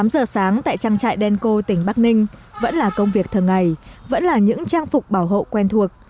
tám giờ sáng tại trang trại đen cô tỉnh bắc ninh vẫn là công việc thường ngày vẫn là những trang phục bảo hộ quen thuộc